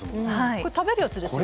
これ食べるやつですよね。